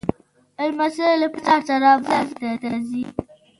لمسی له پلار سره بازار ته ځي.